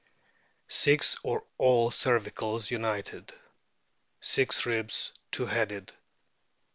Six or all cervicals united. Six ribs two headed.